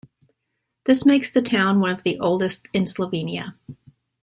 This makes the town one of the oldest in Slovenia.